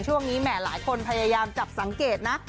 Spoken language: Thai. ช่วงนี้แหมหลายคนพยายามจับสังเกตนะ